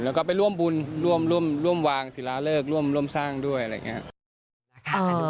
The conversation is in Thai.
แล้วก็ไปร่วมบุญร่วมวางศิลาฤกษ์ร่วมร่วมสร้างด้วยอะไรอย่างนี้